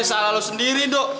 salah lo sendiri dok